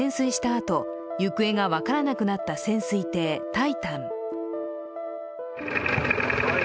あと行方が分からなくなった潜水艇「タイタン」。